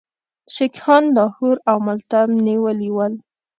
سیکهان لاهور او ملتان نیولي ول.